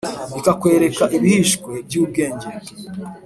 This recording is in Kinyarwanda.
ikakwereka ibihishwe by’ubwenge,